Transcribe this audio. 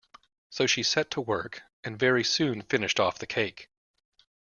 So she set to work, and very soon finished off the cake.